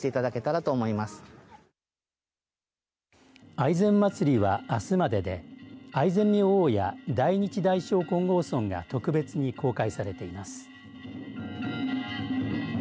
愛染まつりは、あすまでで愛染明王や大日大勝金剛尊が特別に公開されています。